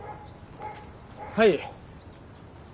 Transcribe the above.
はい。